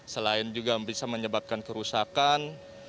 selain juga bisa menyebabkan kerusakan